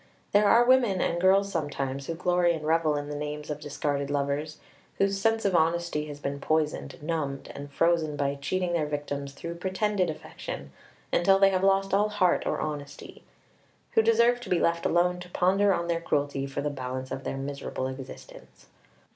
There are women, and girls sometimes, who glory and revel in the names of discarded lovers; whose sense of honesty has been poisoned, numbed, and frozen by cheating their victims through pretended affection, until they have lost all heart or honesty; who deserve to be left alone to ponder on their cruelty for the balance of their miserable existence.